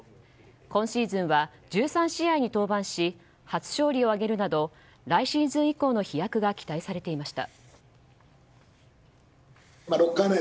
今シーズンは１３試合に登板し初勝利を挙げるなど来シーズン以降の飛躍が期待されていました。